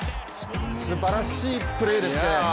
すばらしいプレーですね。